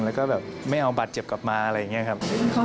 แล้วก็แบบไม่เอาบาดเจ็บกลับมาอะไรอย่างนี้ครับ